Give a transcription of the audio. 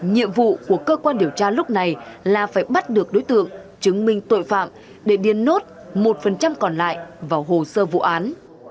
nhiệm vụ của cơ quan điều tra lúc này là phải bắt được đối tượng chứng minh tội phạm để điên nốt một còn lại vào hồ sơ vụ án